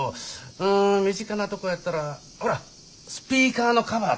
うん身近なとこやったらほらスピーカーのカバーとか。